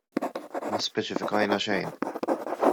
Ma speċifikajna xejn.